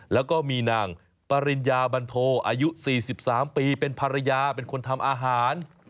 แล้วก็มีนางปริญญาบันโทอายุ๔๓ปีเป็นภรรยาเป็นคนทำอาหาร